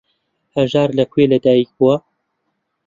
هەژار لە کوێ لەدایک بووە؟